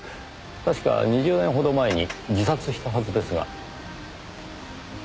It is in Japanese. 確か２０年ほど前に自殺したはずですが。